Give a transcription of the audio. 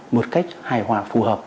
một cách hài hòa phù hợp